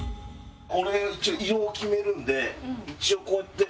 俺一応色を決めるんで一応こうやって。